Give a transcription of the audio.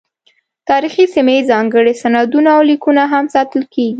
تاریخي سیمې، ځانګړي سندونه او لیکونه هم ساتل کیږي.